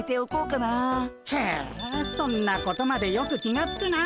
へえそんなことまでよく気がつくなあ。